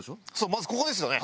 まずここですよね。